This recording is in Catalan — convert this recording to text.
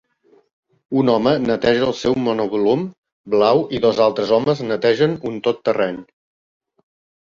Un home neteja el seu monovolum blau i dos altres homes netegen un tot terreny.